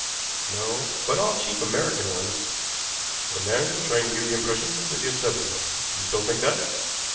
"No, but all cheap American ones." "One man trying to give the impression that he is several. You still think that?